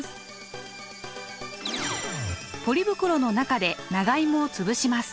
ポリ袋の中で長芋をつぶします。